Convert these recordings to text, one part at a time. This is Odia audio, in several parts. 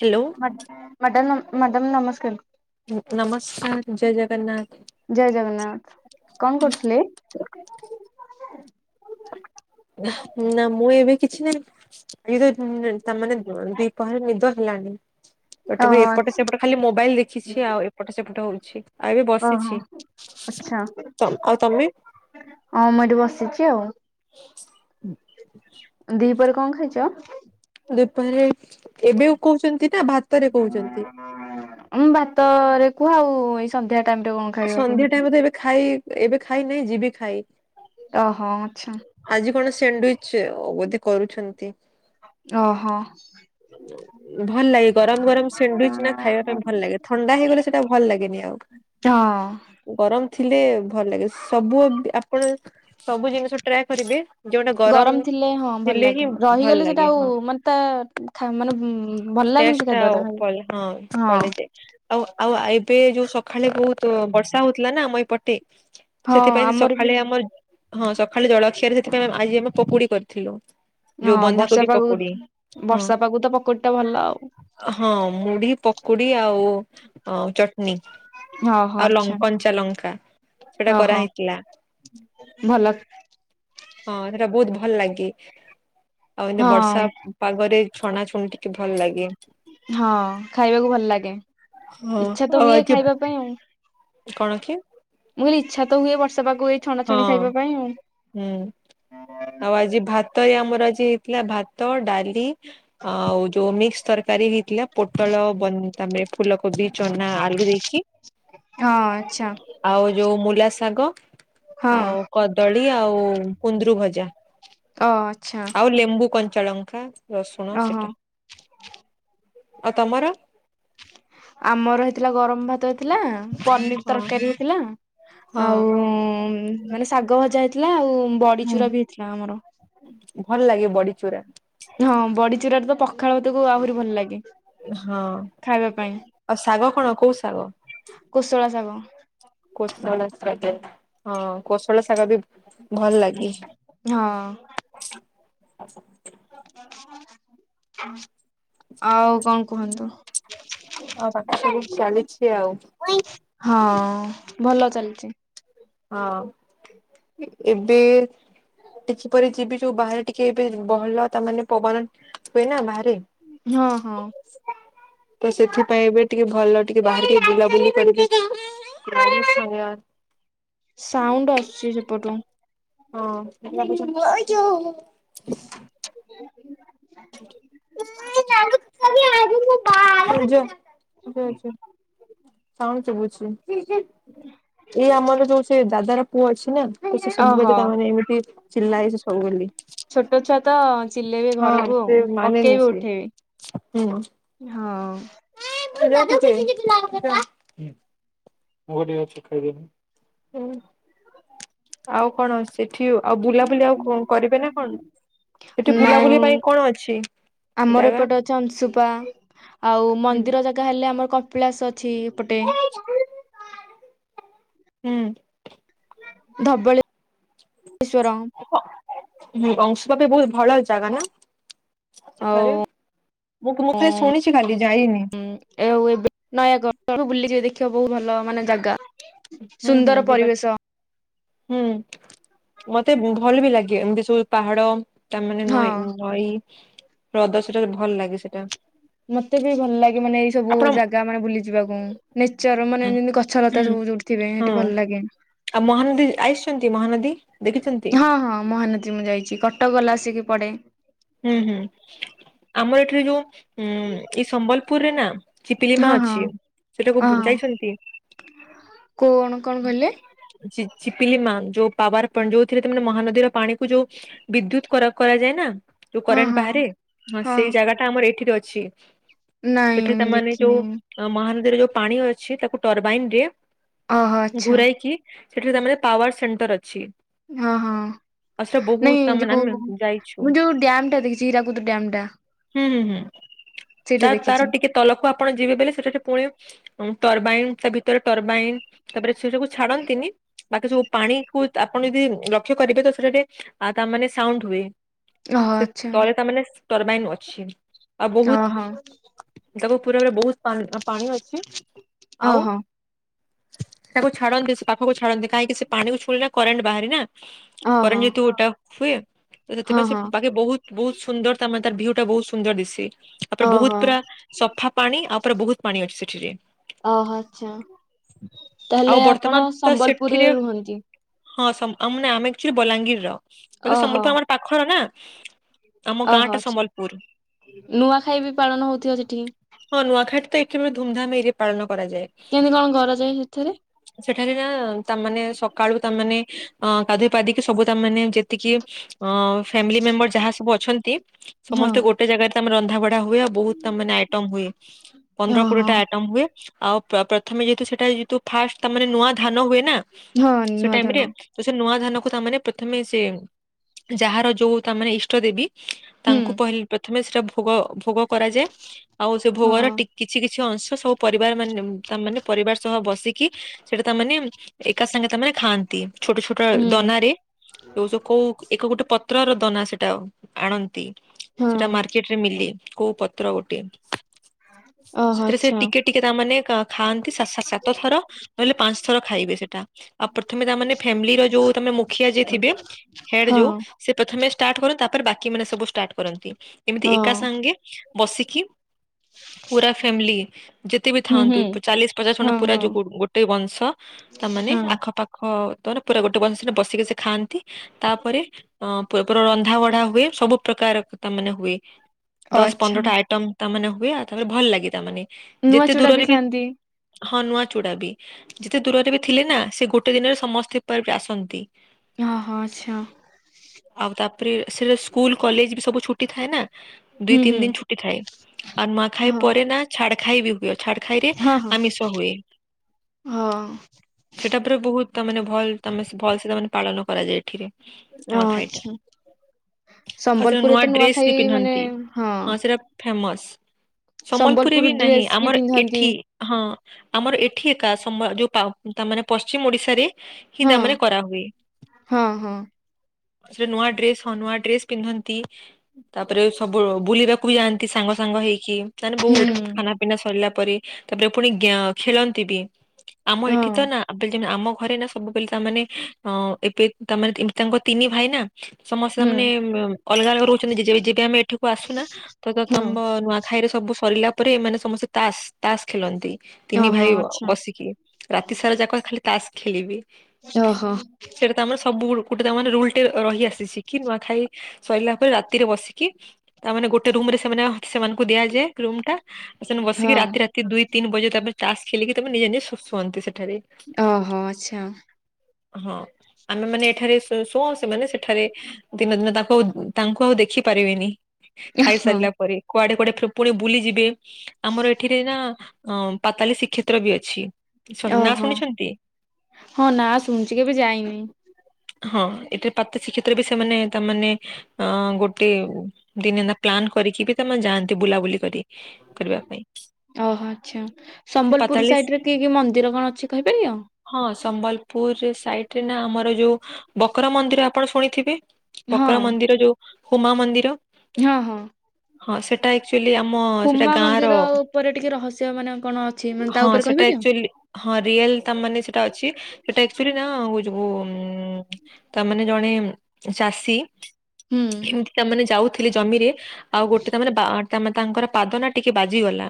ହ୍ୟାଲୋ ମ୍ୟାଡ଼ାମ ମ୍ୟାଡ଼ାମ ନମସ୍କାର। ଉଁ ନମସ୍କାର ଜୟ ଜଗନ୍ନାଥ। ଜୟ ଜଗନ୍ନାଥ କଣ କରୁଥିଲେ? ନା ନା ମୁଁ ଏବେ କିଛି ନାହିଁ ଧୀରେ ଉମ ତାମାନେ [unintelligible] ଦିପହରେ ନିଦ ହେଲାଣି। ତଥାବି ଏପଟେ ଓହୋ ସେପଟେ ଖାଲି ମୋବାଇଲ ଦେଖିଛି ଆଉ ଏପଟେ ସେପଟେ ହଉଛି। ଆଉ ଏବେ ବସିଛି ଓହୋ ଆଛା ଆଉ ତମେ ହଁ ମୁଁ ଏଠି ବସିଛି ଆଉ [inaudible] ଦିପହରେ କଣ ଖାଇଛ? ସେପନରେ ଏବେ କହୁଛନ୍ତି ନା ଭାତରେ କହୁଛନ୍ତି। ଉଁ ଭାତରେ କୁହାଉ ଇ ସନ୍ଧ୍ୟା ଟାଇମରେ ଏବେ ଖାଇ ଏବେ ଖାଇ ନାଇଁ ଯିବି ଖାଇ ଓହୋ ଆଛା। ସାଣ୍ଡୁଉଇଚ ଉଇଥ କରୁଛନ୍ତି। ଓହୋ। ଭଲ ଲାଗେ ଗରମ ଗରମ ସ୍ୟାଣ୍ଡିଉଇଚ ନା ଖାଇବା ପାଇଁ ଭଲ ଲାଗେ, ଥଣ୍ଡା ହେଇଗଲେ ସେଇଟା ଭଲ ଲାଗେନି ଆଉ। ହଁ। ଗରମ ଥିଲେ ଭଲ ଲାଗେ ସବୁ ଆପଣା। ସବୁ ଜିନିଷ ଟ୍ରାଏ କରିବେ ଯୋଉଟା ଗରମ ଥିଲେ ହଁ ଭଲ ଥିଲେ ଲାଗେ ହିଁ ଭଲ ରହିଗଲେ ସେଟା ଲାଗେ ଆଉ ହଁ। ମାନେ ତା ଖା ମାନେ ଭଲ ଲାଗେନି ସେ ଟେଷ୍ଟଟା ଖାଦ୍ୟଟା ଖାଇ ପଲେ ହଁ ହଁ ପଳେଇ ଯାଏ ଆଉ ଆଉ ଆଇ ଏବେ ଯୋଉ ସକାଳେ ବହୁତ ବର୍ଷା ହଉଥିଲା ନା ଆମ ଏପଟେ ହଁ ସେଥିପାଇଁ ସେ ଆମର ବି ସକାଳେ ଆମର ହଁ ସକାଳେ ଜଳଖିଆରେ ସେଥିପାଇଁ ଆଜି ଆମେ ପକୁଡି କରିଥିଲୁ ହଁ ଯୋଉ ବନ୍ଧା ବର୍ଷା କୋବି ପାଗକୁ ପକୁଡି। ହଁ ବର୍ଷା ପାଗକୁ ତ ପକୁଡି ଟା ଭଲ ଆଉ ହଁ ମୁଢି ପକୁଡି ଆଉ। ହ ଚଟଣି ଓହୋ ଆଉ ଲ ଆଚ୍ଛା କଞ୍ଚା ଲଙ୍କା। ସେଟା ଓହୋ କରାହେଇଥିଲା ଭଲ। ହଁ ଏଇନାକା ବହୁତ ଭଲ ଲାଗେ ଆଉ ଏତି ହଁ ବର୍ଷା। ପାଗରେ ଛଣା ଛୁଣି ଟିକେ ଭଲ ଲାଗେ। ହଁ ଖାଇବାକୁ ଭଲ ଲାଗେ ହଁ ଇଛା ତ ଆଉ ହୁଏ ଆଜି ଖାଇବା ପାଇଁ ଆଉ। କଣ କି? ମୁ କହିଲି ଇଛା ତ ହୁଏ ବର୍ଷ ହଁ ହୁଁ ଆଉ ଆଜି ଭାତ ଆମର ଆଜି ହେଇଥିଲା ଭାତ ଡାଲି ଆଉ ଯଉ ମିକ୍ସ ତରକାରୀ ହେ ଥିଲା ପୋଟଳ ପନି ତାମେ ଫୁଲ କୋବି ଚନା ଆଳୁ ଦେଇକି, ହଁ ଆଚ୍ଛା ଆଉ ଯୋଉ ମୂଲା ଶାଗ। ହଁ ଆଉ କଦଳୀ ଆଉ କୁନ୍ଦୁରୁ ଭଜା। ଓ ଆଛା। ଚଳଙ୍କା ରସୁଣ ସେଟା ଆଉ ତମର ଆମର ହେଇଥିଲା ଗରମ ଭାତ ଥିଲା ପନିର ହଁ ତରକାରୀ ହେଇଥିଲା। ହଁ ଆଉଁ ମାନେ ଶାଗ ଭଜା ହେଇଥିଲା ଆଉ ହୁଁ ବଡିଚୁରା ବି ହେଇଥିଲା ଆମର। ଭଲ ଲାଗେ ବଡି ଚୁରା। ହଁ ବଡିଚୁରାରେ ତ ପଖାଳ ଭାତକୁ ଆହୁରି ଭଲ ଲାଗେ। ହଁ ଖାଇବା ପାଇଁ। ଆଉ ଶାଗ କଣ କୋଉ ଶାଗ? କୋଶଳା ଶାଗ। କୋଶଳ ଶାଗ ହଁ କୋଶଳ ଶାଗ ବି ଭଲ ଲାଗେ। ହଁ। ଆଉ କଣ କୁହନ୍ତୁ? ହଁ ବାଛୁରି ଚାଲିଛି ଆଉ। ହ ଭଲ ଚାଲିଛି। ହଁ ଏବେ ଟିକି ପରି ଯିବି ଯୋଉ ବାହାରେ ଟିକେ ଏବେ ବହଲ ତା ମାନେ ପବନ ହୁଏନା ବାହାରେ। ହଁ ହଁ। ତ ସେଥିପାଇଁ ଏବେ ଟିକେ ଭଲ ଟିକେ ବାହାର ଟିକେ ବୁଲାବୁଲି କରିଦେ [unintelligible] ସାଉଣ୍ଡ ଆସୁଛି ସେ ପଟୁ। ହଁ। [unintelligible] [unintelligible] ସାଉଣ୍ଡ ଶୁଭୁଛି। ଏଇ ଆମର ଯୋଉ ସେ ଦାଦାର ପୁଅ ଅଛି ନା ସେ ଓହୋ ସଜୁବାଜ [unintelligible] କାମରେ ଏମିତି ଚିଲାଏ ସେ ସବୁ ବଲି ଛୋଟ ଛୁଆ ତ ଚିଲେଇବେ ଘରକୁ ଆଉ ସେ ମାନେନି ପକେଇବେ ସେ ହୁଁ। ଉଠେଇବେ। ହଁ। [unintelligible] [unintelligible] ଆଉ କଣ ସେଠି ଆଉ ବୁଲାବୁଲି ଆଉ କଣ କରିବେନା କଣ? ନାଇଁ ଉମ୍ ଅଛି ଆମର ଜାଗା? ଏପଟେ ଅଛି ଅଂଶୁପା ଆଉ ହୁଁ। ମନ୍ଦିର ଜାଗା ହେଲେ ଆମର କପିଳାସ ଅଛି ଏପଟେ। ହୁଁ ହୁଁ। ଧବେଳେଶ୍ୱର। ହୁଁ ବଂଶବାପୀ ବହୁତ ଭଳ ଜାଗା ନା ଆଉ ସେଠାରେ ମୁଁ କ୍ ମୁଁ ଖାଲି ଶୁଣିଚି ଖାଲି ଯାଇନି। ତୁ ବୁଲିଯିବେ ଦେଖିବା ବହୁତ ଭଲ ମାନେ ଜାଗା ହୁଁ ହୁଁ ସୁନ୍ଦର ଯିବା ପରିବେଶ ହୁଁ ମତେ ଭଲ ବି ଲାଗେ ଏମିତି ସବୁ ପାହାଡ ତା ମାନେ ନଈ ହଁ। ନଈ ହ୍ରଦ ସେଟା ଭଲ ଲାଗେ ସେଟା ମତେ ବି ଭଲ ଲାଗେ ମାନେ ଏଇ ସବୁ ଆପଣ ଜାଗା ମାନେ ବୁଲି ଯିବାକୁ। ନେଚର ମାନେ ଯେମିତି ଗଛ ଲତା ହୁଁ ସବୁ ଯୋଉଠି ଥିବେ ହୁଁ ସେଠି ଭଲ ଲାଗେ। ଆଉ ମହାନଦୀ ଆଇସଛନ୍ତି ମହାନଦୀ? ଦେଖିଛନ୍ତି? ହଁ ହଁ ମହାନଦୀ ମୁଁ ଯାଇଛି। କଟକ ଗଲା ଆସିକି ପଡେ। ହୁଁ ହୁଁ ଆମର ଏଠିରେ ଯୋଉ ଉମ୍ ଏଇ ସମ୍ବଲପୁରରେ ନା? ହଁ ଚିପିଲିମା ହଁ ଅଛି। ସେଠାକୁ ବ ଯାଇଛନ୍ତି। କୋଣ କଣ କହିଲେ? ଚି ଚିପିଲି ମାଁ ଯୋଉ ପାୱାର ପଏଣ୍ଟ ଯୋଉଥିରେ ତ ମାନେ ମହା ନଦୀର ପାଣିକୁ ଯୋଉ ବିଦ୍ୟୁତ୍ କରା କରା ଯାଏନା? ଯୋଉ ହଁ କରେଣ୍ଟ ହଁ ବାହାରେ? ଆ ହଁ ସେଇ ଜାଗା ଟା ଆମର ଏଇଠିରେ ଅଛି। ନାଇଁ ସେଠି ମୁଁ ତାମାନେ ଯୋଉ ଦେଖିନି। ମହାନଦୀରେ ଯୋଉ ପାଣି ଅଛି ତାକୁ ଟରବାଇନ ଦିଏ ଓହୋ ଆଚ୍ଛା ଘୁରାଇକି? ସେଠିରେ ତମର ପାୱର୍ ସେଣ୍ଟର୍ ଅଛି। ହଁ ହଁ ଆଉ ସେଟା ବହୁତ ନାଇଁ ତାମାନେ ଯୋଉ ଆମେ ଯାଇଛୁ। ମୁଁ ଯୋଉ ଡ୍ୟାମ୍ ଦେଖଛି ହୀରାକୁଦ ଡ୍ୟାମ୍ ଟା ହୁଁ ହୁଁ। ସେଇଟା ତା ତାର ଦେଖିଛି ଟିକେ ତଲକ୍ କୁ ଆପଣ ଯିବେ ବୋଲି ସେ ସେଠି ପୁଣି ଟରବାଇନ୍ ତା ଭିତରେ ଟରବାଇନ୍ ତା ପରେ ସେ ସବୁ ଛାଡ଼ନ୍ତିନି। ବାକି ସବୁ ପାଣିକୁ ଆପଣ ଯଦି ଲକ୍ଷ୍ୟ କରିବେ ତ ସେଟା ଟିକେ ଆ ତା ମାନେ ସାଉଣ୍ଡ ହୁଏ। ଓହୋ ସେ ଆଚ୍ଛା ତଳେ ତା ମାନେ ଟରବାଇନ ଅଛି। ଆଉ ବହୁତ ଅହ। ତାକୁ ପୁରରେ ବହୁତ୍ ପା ପାଣି ଅଛି। ଆଉ ଓହୋ ତାକୁ ଛାଡନ୍ତି ସେ ପାଖକୁ ଛାଡନ୍ତି। କାହିଁକି ସେ ପାଣିକୁ ଛୁଇଁଲେ କରେଣ୍ଟ ବାହାରେ ନା! ଓହୋ କରେଣ୍ଟ୍ ଜେହେତୁ [unintelligible] ଗୋଟାପ୍ ହୁଏ ହଁ ସେଥିପାଇଁ ସେ ହଁ ଆଗେ ବହୁତ୍, ବହୁତ୍ ସୁନ୍ଦର୍ ତା ମାନେ ତାର ଭିଉ ଟା ବହୁତ୍ ସୁନ୍ଦର୍ ଦିସେ। ତାପରେ ବହୁତ୍ ଓହୋ ପୁରା ସଫା ପାଣି ଆ ପରେ ବହୁତ୍ ପାଣି ଅଛି ସେଠିରେ। ଅ ହ ଆଛା। ତାହେଲେ ଆଉ ବର୍ତ୍ତମାନ ଆପଣ ତ ସମ୍ବଲପୁରୀ ସେଠିରେ ରେ ରୁହନ୍ତି? ହଁ ସମ୍ ଅ ମାନେ ଆ ଆକ୍ଚୁଆଲି ବଲାଙ୍ଗୀରର। ବୋଲେ ଓହୋ ସମ୍ବଲପୁର୍ ଆମର ପାଖର ନା ଆମ ଓହୋ ଗାଁ ଟା ଆଚ୍ଛା ସମ୍ବଲପୁରୁ। ନୂଆଖାଇ ବି ପାଳନ ହଉଥିବ ସେଠି କେବେ ଧୁମଧାମ୍ ରେ ପାଳନ କରାଯାଏ କେମିତି କଣ କର ଯାଏ ସେଥିରେ? ସେଠାରେ ନା ତାମାନେ ସକାଳୁ ତାମାନେେ ସବୁ ଗାଧେଇପାଧେଇ କି ତାମାନେ ଯେତିକି ଅ ଫାମିଲି ମେମ୍ବର ଯାହା ସବୁ ଅଛନ୍ତି ସମସ୍ତେ ହଁ। ଗୋଟେ ଜାଗାରେ ଆମର ତ ରନ୍ଧାବଢ଼ା ହୁଏ ଆଉ ବହୁତ ମାନେ ଆଇଟମ ହୁଏ ପନ୍ଦର କୋଡିଏ ଓହୋ ଟା ଆଇଟମ ହୁଏ ଆଉ ପ୍ରଥମେ ଯେହେତୁ ସେଟା ଯେତୁ ଫାଷ୍ଟ ତାେ ନୂଆ ଧାନ ହୁଏ ନା ହଁ ସେ ନୂଆ ଟାଇମ ଧାନ ରେ ତ ସେ ନୂଆ ଧାନ ପ୍ରଥମେ ସେ ଯାହାର ଯୋଉ ତାମାନେ ଇଷ୍ଟ ଦେବୀ ହୁଁ ତାଙ୍କୁ ପହିଲି ପ୍ର ପ୍ରଥମେ ସେଟା ଭୋଗ ଭୋଗ କରାଯାଏ ଆଉ ସେ ଭୋଗର ହଁ ଟି କିଛି କିଛି ଅଂଶ ସବୁ ପରିବାର ମାନେ ତା ମାନେ ପରିବାର ସହ ବସିକି ସେଟା ତାମାନେ ଏକା ସାଙ୍ଗେ ତାମାନେ ଖାଆନ୍ତି। ଛୋଟ ଛୋଟ ହୁଁ ଦନା ରେ ଯୋଉ ଯୋଉ କୋଉ ଏକ ଗୋଟେ ପତ୍ର ର ଦନା ସେଟା ଆଣନ୍ତି ହଁ ସେଟା ମାର୍କେଟରେ ମିଲେ। କୋଉ ପତ୍ର ଗୋଟେ। ହ ସେଥିରେ ସେ ଟିକେ ଟିକେ ତାମାନେ ଖାଆନ୍ତି ସା ସାତ ଥର ନହେଲେ ପାଞ୍ଚ ଥର ଖାଇବେ ସେଟା। ଆଉ ପ୍ରଥମେ ତାମାନେ ଫ୍ୟାମିଲି ର ଯୋଉ ତମେ ମୁଖିଆ ଯିଏ ଥିବେ ହେଡ୍ ହଁ ଯୋଉ ସେ ପ୍ରଥମେ ଷ୍ଟାର୍ଟ କରନ୍ତି ତାପରେ ବାକି ମାନେ ସବୁ ଷ୍ଟାର୍ଟ କରନ୍ତି ଏମିତି ଓ ଏକା ସାଙ୍ଗେ ବସିକି ପୁରା ଫ୍ୟାମିଲି ଯେତେ ବି ହୁଁ ଥାଆନ୍ତୁ ହୁଁ ଚାଲିଶ ପଚାଶ ଖଣ୍ଡା ହଁ ପୁରା ହଁ ଯୋଉ ଗୋଟେ ବଂଶ ତାମାନୋ ହଁ ଆଖ ପାାଖ ତ ପୁରା ଗୋଟେ ବଂଶ ବସିକି ସେ ଖାଆନ୍ତି ତାପରେ ଅ ପ ରନ୍ଧା ବଢା ହୁଏ ସବୁ ପ୍ରକାର ତା ମାନେ ହୁଏ ଓ ଦଶ ଆଚ୍ଛା ପନ୍ଦରଟା ଆଇଟମ ତା ମାନେ ହୁଏ ତାପରେ ଭଲ ଲାଗେ ତା ମାନେ। ନୂଆ ଚୁଡ଼ା ବି ଖାଆନ୍ତି। ହଁ ନୂଆ ଚୂଡା ବି ଯେତେ ଦୂରରେ ବି ଥିଲେ ନା ସେ ଗୋଟେ ଦିନରେ ସମସ୍ତେ ଆସନ୍ତି। ଓହୋ ଆଛା। ପ୍ରେ ସେ ସ୍କୁଲ କଲେଜ ବି ସବୁ ଛୁଟି ଥାଏ ନା ଦିଇ ହୁଁ ତିନି ହୁଁ ଦିନ ଛୁଟି ଥାଏ। ଆଉ ନୂଆଖାଇ ହଁ ପରେ ନା ଛାଡ ଖାଇ ବି ହୁଏ ଛାଡ ଖାଇ ରେ ହଁ ହଁ ଆମିଷ ହୁଏ। ହଁ। ସେଟା ପୁରା ବହୁତ ତା ମାନେ ଭଲ ତମେ ଭଲ ସେ ତା ମାନେ ପାଳନ କରାଯାଏ ଏଠିରେ। ଓ ନୂଆଖାଇ ଟା। ଆଚ୍ଛା। ଆଉ ସେ ସମ୍ବଲପୁରରେ ନୂଆ ତ ଡ୍ରେସ ନୂଆଖାଇ ବି ମାନେ ପିନ୍ଧନ୍ତି ହଁ। ସେଟା ଫେମସ। ସମ୍ବଲପୁରରେ ବି ସମ୍ବଲପୁର ନାହିଁ ଡ୍ରେସ୍ ବି ଆମର ପିନ୍ଧନ୍ତି ଏଠି ହଁ। ଆମର ଏଠି ଏକା ସମ ଯୋଉ ତା ମାନେ ପଶ୍ଚିମ ଓଡିଶାରେ ହିଁ ହଁ ତାମାନେ କରାହୁଏ। ହଁ ହଁ ସେ ନୂଆ ଡ୍ରେସ ହଁ ନୂଆ ଡ୍ରେସ ପିନ୍ଧନ୍ତି ତାପରେ ସବୁ ବୁଲିବାକୁ କୁ ଯାଆନ୍ତି ସାଙ୍ଗ ସାଙ୍ଗ ହେଇକି ତାମାନେ ବହୁତ ହୁଁ ଖାନା ପିନା ସରିଲା ତାପରେ ପୁଣି ଜ୍ଞା ଖେଳନ୍ତି ବି ଆମ ହଁ ଏଠି ତ ନା [inaudible] ଆମ ଘରେ ନା ସବୁବେଳେ ତାମାନେ ଅ ଏବେ ତାମାନେେ ତାଙ୍କ ତିନି ଭାଇ ନା ସମସ୍ତେ ହୁଁ ମାନେ ଅଲଗା ଅଲଗା ରହୁଛନ୍ତି ଯେବେ ଆମେ ଏଠାକୁ ଆସୁନା ତ ତମ ହଁ ନୂଆଖାଇ ରେ ସବୁ ସରିଲା ପରେ ମାନେ ସମସ୍ତେ ତାସ ତାସ ଖେଳନ୍ତି ତିନି ଓହୋ ଭାଇ ଆଚ୍ଛା ବସିକି ରାତି ସାରା ଯାକ ଖାଲି ତାସ୍ ଖେଲିବି। ଓ ହୋ। ତାମାନେ ରୁଲ ଟେ ରହି ଆସିଛି କି ନୂଆ ଖାଇ ସରିଲା ପରେ ରାତିରେ ବସିକି ତାମାନେ ଗୋଟେ ରୁମ ରେ ସେ ସେମାନେ ସେମାନଙ୍କୁ ଦିଆଯାଏ ରୁମ୍ ଟା ସେମାନେ ବସିକି ହଁ ରାତି ରାତି ଦୁଇ ତିନି ବଜ ତାପରେ ତାସ ଖେଳିକି ନିଜେ ନିଜେ ଶ ଶୁଅନ୍ତି ସେଠି। ଓ ହୋ ଆଚ୍ଛା। ହଁ ଆମେ ମାନେ ଏଠାରେ ସୂ ଶୁଉ ସେମାନେ ସେଠାରେ ଦିନ ଦିନ ତାଙ୍କୁ ଆ ତାଙ୍କୁ ଆଉ ଦେଖି ପାରିବେନି। ହଁ ଖାଇସାରିଲା ପରେ କୁଆଡେ କୁଆଡେ ଫେର ପୁଣି ବୁଲିଯିବେ ଆମର ଏଠିରେ ନା ହଁ ପାତାଲି ଶ୍ରୀକ୍ଷେତ୍ର ବି ଅଛି। ନା ଓହୋ! ଶୁଣିଛନ୍ତି? ହଁ ନା ଶୁଣୁଛି କେବେ ଯାଇନାଇ। ହଁ ଏଠିରେ ପାତ ଶ୍ରୀକ୍ଷେତ୍ରରେ ବି ସେମାନେ ତାମାନେ ଅ, ଗୋଟେ ଦିନେନା ପ୍ଲାନ୍ କରିକି ବି ତୋମ ଯାଆନ୍ତି ବୁଲାବୁଲି କରି କରିବାପାଇଁ। ଓହୋ! ଆଚ୍ଛା ସମ୍ବଲପୁର ପାତାଳିଶ ସାଇଡ ରେ କି କି ମନ୍ଦିର କଣ ଅଛି କହିପାରିବ? ହଁ ସମ୍ବଲପୁର ରେ ସାଇଟ୍ ରେ ନା ଆମର ଯୋଉ ବକର ମନ୍ଦିର ଆପଣ ଶୁଣିଥିବେ? ହଁ ବକର ମନ୍ଦିର ଯୋଉ ହୁମା ମନ୍ଦିର। ହଁ, ହଁ। ହଁ ସେଟା ଏକ୍ଚୁ ତିଲି ଆମ ସେଟା ହୁମା ଗାଁର ମନ୍ଦିର ଉପରେ ଟିକେ ରହସ୍ୟ ମାନେ କଣ ଅଛି ମାନେ ତା ହଁ ଉପରେ ସେଟା କହିପାରିବ? ଏକ୍ଚୁଲି ହଁ ରିଏଲ ତା ମାନେ ସେଟା ଅଛି। ସେଟ ଏକ୍ଚୁଲି ନା ଯୋଉ ଉଁ, ତା ମାନେ ଜଣେ ଚାଷୀ ହୁଁ ଏମତି ତା ମାନେ ଯାଉଥିଲେ ଜମିରେ ଆଉ ଗୋଟେ ତା ମାନେ ବା ତାମା ତାଙ୍କର ପାଦ ନା ଟିକେ ବାଜିଗଲା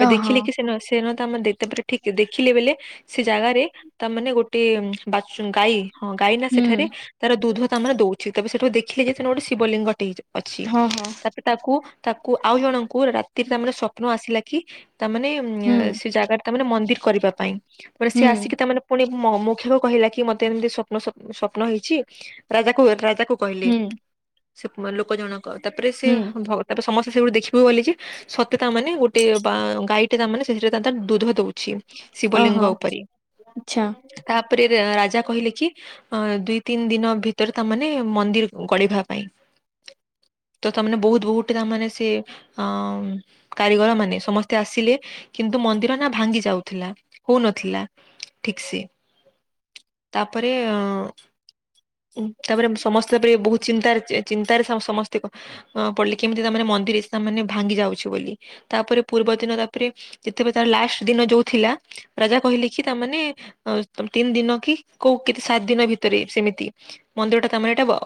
ବା ଓହୋ ଦେଖିଲି କି ସେନ ସେନ ତାମ ଦେ-ତାପରେ ଠିକ ଦେଖିଲେ ବେଲେ ସେ ଜାଗାରେ ତା ମାନେ ଗୋଟିଏ ଉଁ ବାଚୁ ଗାଈ ହଁ ଗାଈ ନା ହୁଁ ସେଠାରେ ତାର ଦୁଧୁ ତା ମାନ ଦଉଛି। ତେବେ ସେଠୁ ଦେଖିଲେ ଯେ ସେନ ଗୋଟେ ଶିବଲିଙ୍ଗ। ଟିଚ, ଅଛି ହଁ ହଁ ତାପରେ ତାକୁ ତାକୁ ଆଉ ଜଣଙ୍କୁ ରାତିରେ ତାମାନେ ସ୍ୱପ୍ନ ଆସିଲା କି ତା ମାନେ ଉଁ, ଏ ହୁଁ ସେ ଜାଗାରେ ତା ମାନେ ମନ୍ଦିର କରିବା ପାଇଁ ପରେ ସିଏ ହୁଁ ଆସିକି ତା ମାନେ [unintelligible] ମ -ମୁଖିଆକୁ କହିଲା କି ମୋତେ ଏମିତି ସପ୍ନ ସପ୍ ସପ୍ନ ହେଇଛି। ରାଜା କୁ ରାଜା କୁ କହିଲେ। ହୁଁ ସେ ଲୋକ ଜଣକ ତାପରେ ସିଏ ହୁଁ ଭ- ତାପରେ ସମସ୍ତେ ସେଉଠୁ ଦେଖି ମୁଁ ବୋଲିଚି ସତେ ତା ମାନେ ଗୋଟେ ବା ଗାଈଟେ ତା ମାନେ ସେଥିରେ ତା ତା ଦୁଧ ଦଉଛି। ଓହୋ ଶିବଲିଙ୍ଗ ଉପରେ ଆଚ୍ଛା। ତାପରେ ରେ-ରାଜା କହିଲେ କି ଅଁ, ଦୁଇ ତିନି ଦିନ ଭିତରେ ତା ମାନେ ମନ୍ଦିର ଗଢିବା ପାଇଁ। ତ ତା ମାନେ ବହୁତ ବହୁତ ତା ମାନେ ସେ ଅଁ, ଉଁ, କାରିଗର ମାନେ ସମସ୍ତେ ଆସିଲେ। କିନ୍ତୁ ମନ୍ଦିର ନା ଭାଙ୍ଗି ଯାଉଥିଲା। ହଉନଥିଲା ଠିକ ସେ। ତାପରେ ଅ, ଉଁ, ତାପରେ ସମସ୍ତେ ତାପରେ ବହୁତ ଚିନ୍ତାରେ ଚେ- ଚିନ୍ତାରେ ସମ ସମସ୍ତିକ ଅ, ପଡିଲେ କେମିତି ତା ମାନେ ମ ମନ୍ଦିରେ ସାମାନ୍ୟ ଭାଙ୍ଗି ଯାଉଛି ବୋଲି। ତାପରେ ପୂର୍ବ ଦିନ ତାପରେ ଯେତେବେ ତାର ଲାଷ୍ଟ୍ ଦିନ ଯୋଉ ଥିଲା ରାଜା କହିଲେ କି ତା ମାନେ ଅ, ତୋମ ତିନି ଦିନ କି କୋଉ କେତେ ସାତ ଦିନ ଭିତରେ ସେମିତି ମନ୍ଦିର ଟା ତା ମାନେ ଟା ବ